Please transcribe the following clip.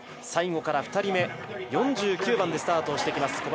最後から２人目４９番でスタートをします